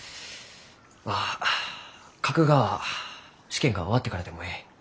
まあ書くがは試験が終わってからでもえい。